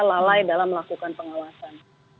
lalai dalam melakukan pengawasan